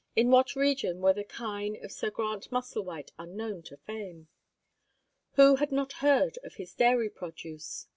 In what region were the kine of Sir Grant Musselwhite unknown to fame? Who had not heard of his dairy produce?